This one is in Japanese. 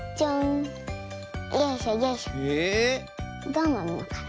どうなんのかな。